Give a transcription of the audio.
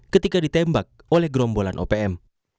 ketika ditembak oleh gerombolan opm